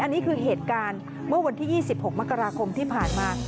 อันนี้คือเหตุการณ์เมื่อวันที่๒๖มกราคมที่ผ่านมา